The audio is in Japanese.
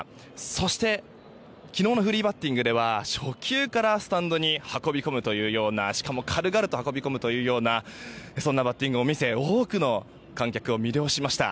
そして昨日のフリーバッティングでは初球からスタンドに運び込むというようなしかも軽々と運び込むようなそんなバッティングも見せ多くの観客を魅了しました。